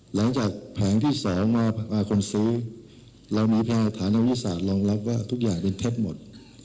หลังจากแผงที่๒มาคนซื้อเรามีแผงฐานวิสาทรองรับว่าทุกอย่างเป็นเท็จหมด